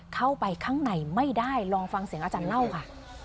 เข้าไปข้างในไม่ได้ลองฟังเสียงอาจารย์เล่าค่ะ